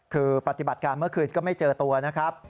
คือปฏิบัติการเมื่อคืนก็ไม่เจอตัวนะครับ